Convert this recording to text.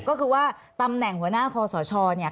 ก็คือว่าตำแหน่งหัวหน้าของขอสมชรเนี่ย